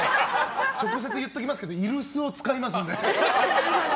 直接言っておきますけど居留守を使いますんで。